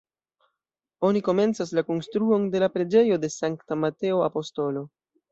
Oni komencas la konstruon de la preĝejo de Sankta Mateo Apostolo.